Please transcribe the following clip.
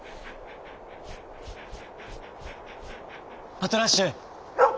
「パトラッシュ！」。